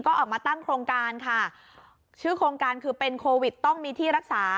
ก็ออกมาตั้งโครงการค่ะชื่อโครงการคือเป็นโควิดต้องมีที่รักษา